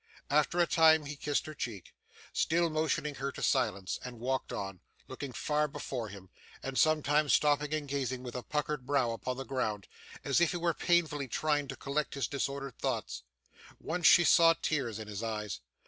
After a time he kissed her cheek, still motioning her to silence, and walked on, looking far before him, and sometimes stopping and gazing with a puckered brow upon the ground, as if he were painfully trying to collect his disordered thoughts. Once she saw tears in his eyes.